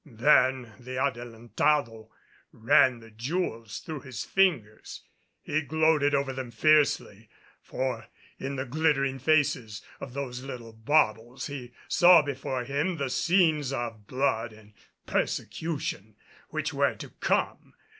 Then the Adelantado ran the jewels through his fingers. He gloated over them fiercely, for in the glittering faces of those little baubles he saw before him the scenes of blood and persecution which were to come.